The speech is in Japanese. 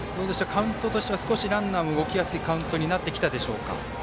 カウントとしては少し動きやすいカウントになってきたでしょうか？